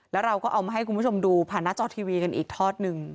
แล้วเราก็เอามาให้คุณผู้ชมดูผ่านหน้าจอทีวีกันอีกทอดหนึ่ง